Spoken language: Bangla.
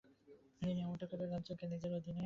তিনি এমনটা করে রাজ্যকে নিজের অধীনে করতে চাইছিলেন।